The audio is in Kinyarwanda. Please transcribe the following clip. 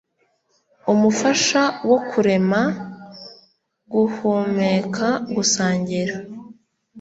umufasha wo kurema guhumeka gusangira